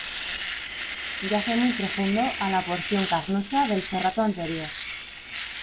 Yace muy profundo a la porción carnosa del serrato anterior.